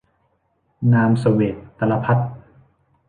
นามเสวตร-ตะละภัฏ